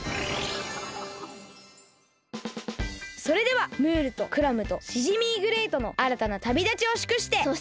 それではムールとクラムとシジミーグレイトのあらたなたびだちをしゅくして！